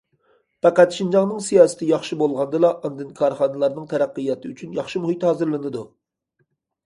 پەقەت شىنجاڭنىڭ سىياسىتى ياخشى بولغاندىلا، ئاندىن كارخانىلارنىڭ تەرەققىياتى ئۈچۈن ياخشى مۇھىت ھازىرلىنىدۇ.